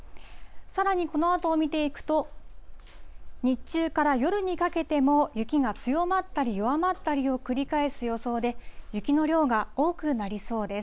さらにこのあとを見ていくと、日中から夜にかけても雪が強まったり、弱まったりを繰り返す予想で、雪の量が多くなりそうです。